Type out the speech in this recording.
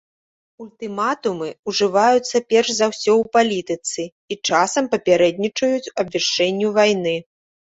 Ультыматумы ўжываюцца перш за ўсё ў палітыцы і часам папярэднічаюць абвяшчэнню вайны.